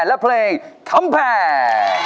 และเพลงทำแผ่